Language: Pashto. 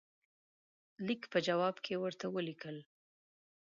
لیک په جواب کې ورته ولیکل.